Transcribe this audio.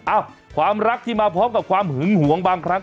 อ้าวความรักที่มาพร้อมกับความหึงหวงบางครั้ง